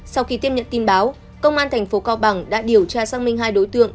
sau khi tiếp nhận tin báo công an tp cao bằng đã điều tra xác minh hai đối tượng